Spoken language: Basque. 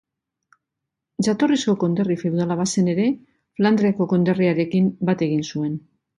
Jatorrizko konderri feudala bazen ere, Flandriako konderriarekin bat egin zuen.